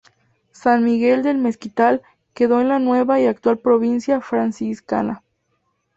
San Miguel del Mezquital quedó en la nueva y actual provincia franciscana.